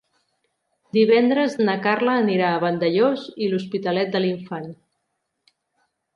Divendres na Carla anirà a Vandellòs i l'Hospitalet de l'Infant.